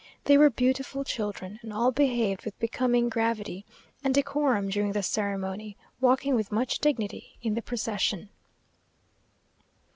They were beautiful children, and all behaved with becoming gravity and decorum during the ceremony, walking with much dignity in the procession.